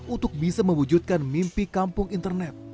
untuk bisa mewujudkan mimpi kampung internet